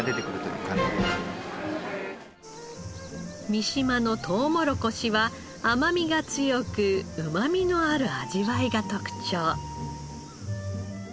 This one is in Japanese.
三島のとうもろこしは甘みが強くうまみのある味わいが特徴。